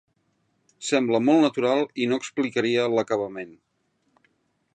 Sembla molt natural i no explicaria l'acabament.